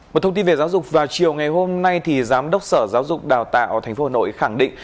một thông tin về giáo dục vào chiều ngày hôm nay giám đốc sở giáo dục đào tạo tp hà nội khẳng định